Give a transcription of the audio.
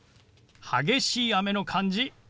激しい雨の感じ